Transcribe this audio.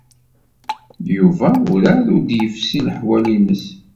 Yuba werɛad ur d-yefsi leḥwal-nnes.